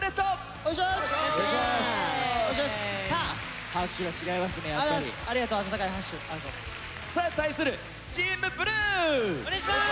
お願いします！